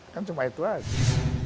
kan cuma itu aja